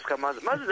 まず。